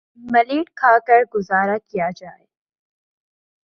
millet کھا کر گزارہ کیا جائے